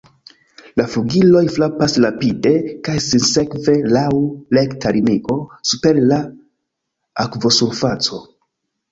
La flugiloj frapas rapide kaj sinsekve laŭ rekta linio super la akvosurfaco.